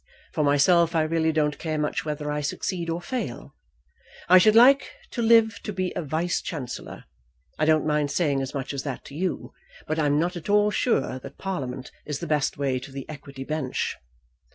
For myself, I really don't care much whether I succeed or fail. I should like to live to be a Vice Chancellor. I don't mind saying as much as that to you. But I'm not at all sure that Parliament is the best way to the Equity Bench."